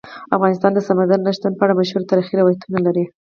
افغانستان د سمندر نه شتون په اړه مشهور تاریخی روایتونه لري.